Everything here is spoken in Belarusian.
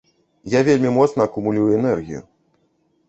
Я вельмі моцна акумулюю энергію.